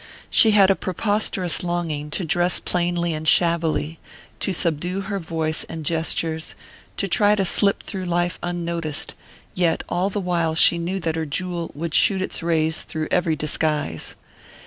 She had a preposterous longing to dress plainly and shabbily, to subdue her voice and gestures, to try to slip through life unnoticed; yet all the while she knew that her jewel would shoot its rays through every disguise.